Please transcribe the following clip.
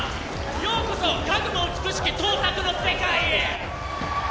ようこそかくも美しき倒錯の世界へ！